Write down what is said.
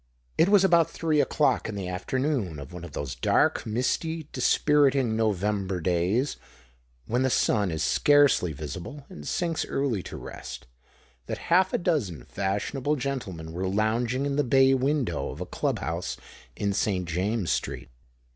It was about three o'clock in the afternoon of one of those dark, misty, dispiriting November days, when the sun is scarcely visible, and sinks early to rest, that half a dozen fashionable gentlemen were lounging in the bay window of a Club House in St. James's Street.